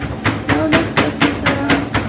یو لفظ پکښې کرم